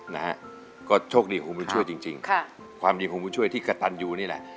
นะฮะก็โชคดีคุณบุญช่วยจริงจริงค่ะความดีของบุญช่วยที่กระตันอยู่นี่แหละ